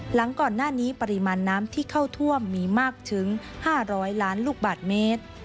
หลังก่อนหน้านี้ปริมาณน้ำที่เข้าท่วมมีมากถึง๕๐๐ล้านลูกบาทเมตร